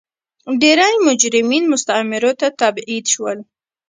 ډېری مجرمین مستعمرو ته تبعید شول.